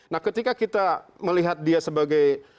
nah ketika kita melihat dia sebagai